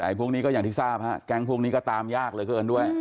พวกนี้ก็อย่างที่ทราบฮะแก๊งพวกนี้ก็ตามยากเหลือเกินด้วย